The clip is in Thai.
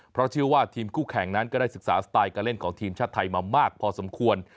เพราะเชื่อว่าทีมคู่แข่งนั้นก็ได้ศึกษาสไตล์การเล่นของทีมชาติไทยมามากพอสมควร